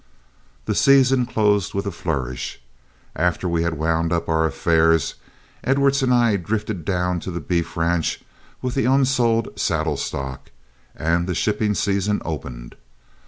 The season closed with a flourish. After we had wound up our affairs, Edwards and I drifted down to the beef ranch with the unsold saddle stock, and the shipping season opened.